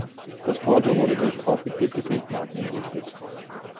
Das Porto wurde durch aufgeklebte Briefmarken entrichtet.